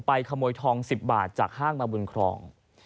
ขโมยทอง๑๐บาทจากห้างมาบุญครอง